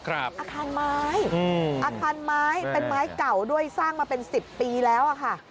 อาคารไม้อาคารไม้เป็นไม้เก่าด้วยสร้างมาเป็น๑๐ปีแล้วอะค่ะ